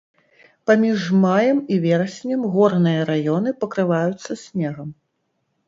Паміж маем і вераснем горныя раёны пакрываюцца снегам.